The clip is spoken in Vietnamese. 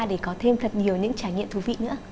để có thêm thật nhiều những trải nghiệm thú vị nữa